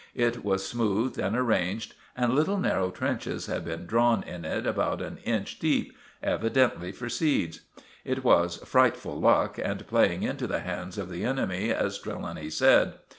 It was smoothed and arranged, and little narrow trenches had been drawn in it about an inch deep—evidently for seeds. It was frightful luck and playing into the hands of the enemy as Trelawny said.